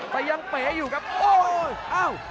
แต่ยังเป๋อยู่ครับโอ้ยอ้าว